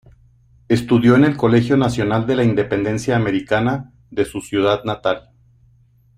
Estudió en el Colegio Nacional de la Independencia Americana, de su ciudad natal.